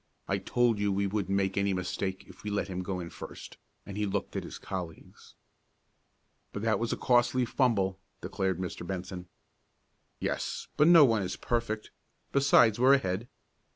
"I told you we wouldn't make any mistake if we let him go in first," and he looked at his colleagues. "But that was a costly fumble," declared Mr. Benson. "Yes, but no one is perfect. Besides we're ahead."